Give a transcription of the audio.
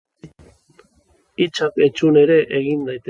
Gainera, hitzak entzun ere egin daitezke.